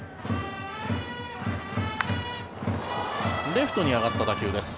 レフトに上がった打球です。